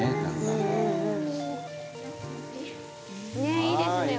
「ねえいいですね。